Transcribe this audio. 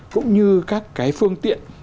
cũng như các cái phương tiện